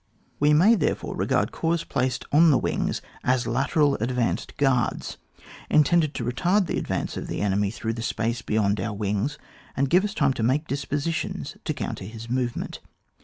19 We may therefore regard corps placed on the wings as lateral advanced gaards, intended to retard the advance of the enemy through the space beyond our wings and give us time to make disposi* tions to counteract his movement.